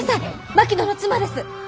槙野の妻です！